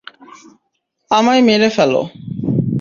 আমায় মেরে ফেল।